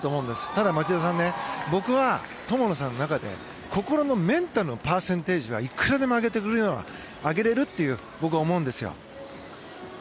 ただ、町田さん僕は友野さんの中で心の、メンタルのパーセンテージはいくらでも上げてくるような上げられるって僕は思うんです。